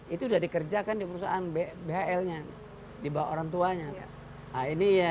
itu sudah dikerjakan di perusahaan bhl nya dibawa orang tuanya